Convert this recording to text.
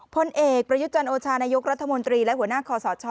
พลเอกประยุจันโอชานายกรัฐมนตรีและหัวหน้าคอสช